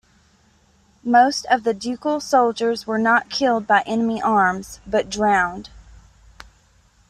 Most of the ducal soldiers were not killed by enemy arms, but drowned.